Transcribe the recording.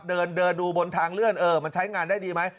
เดินเดินดูบนทางเลื่อนเออมันใช้งานได้ดีไหม